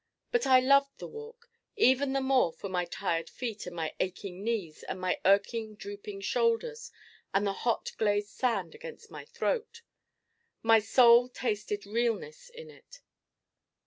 But I loved the walk even the more for my tired feet and my aching knees and my irking drooping shoulders and the hot glazed sand against my throat. My Soul tasted realness in it.